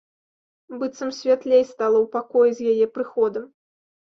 Быццам святлей стала ў пакоі з яе прыходам.